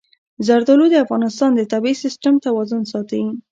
زردالو د افغانستان د طبعي سیسټم توازن ساتي.